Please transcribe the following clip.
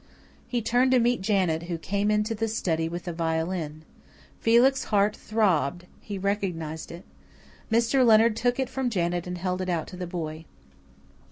He turned to meet Janet, who came into the study with a violin. Felix's heart throbbed; he recognized it. Mr. Leonard took it from Janet and held it out to the boy.